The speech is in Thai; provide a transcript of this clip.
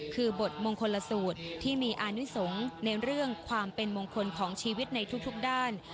คือบทมงคลสูตรที่มีอานิสงฆ์ในเรื่องความเป็นมงคลของชีวิตในทุกด้าน